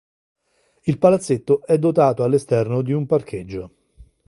Il palazzetto è dotato all'esterno di un parcheggio.